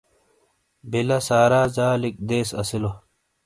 بیلہ سارا جالِیک دیس اسیلو۔